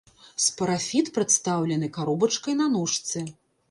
Спарафіт прадстаўлены каробачкай на ножцы.